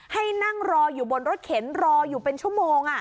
ให้นั่งรออยู่บนรถเข็นรออยู่เป็นชั่วโมง